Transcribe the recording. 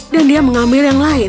dan dia mengambil yang lain